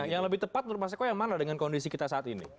yang lebih tepat menurut mas eko yang mana dengan kondisi kita saat ini